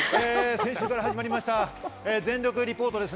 先週から始まりました全力リポートです。